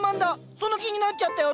その気になっちゃったよ。